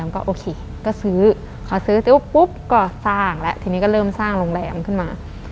ก็สร้างแล้วทีนี้ก็เริ่มสร้างโรงแรมขึ้นมา